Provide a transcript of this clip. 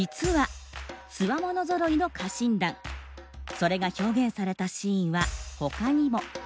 それが表現されたシーンはほかにも。